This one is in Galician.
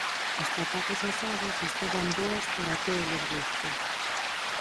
As patacas asadas estaban boas para tódolos gustos.